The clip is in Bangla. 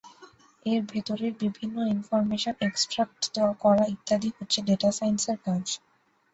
এর ভেতরের বিভিন্ন ইনফরমেশন এক্সট্রাক্ট করা ইত্যাদি হচ্ছে ডেটা সাইন্সের কাজ।